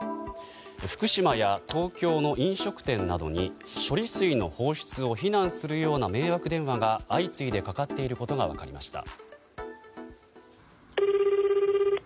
福島や東京の飲食店などに処理水の放出を非難するような迷惑電話が相次いでかかっていることが分かりました。